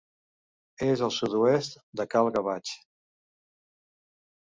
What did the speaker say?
És al sud-oest de Cal Gavatx.